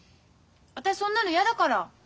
私そんなの嫌だから。